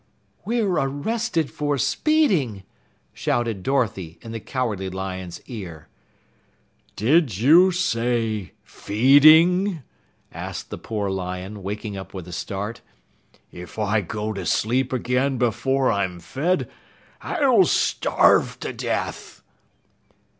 "We're arrested for speeding!" shouted Dorothy in the Cowardly Lion's ear. "Did you say feeding?" asked the poor lion, waking up with a start. "If I go to sleep again before I'm fed, I'll starve to death!"